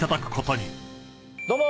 どうも。